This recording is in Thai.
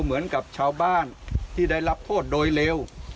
เหมือนกับชาวบ้านที่ได้รับโทษโดยเร็ว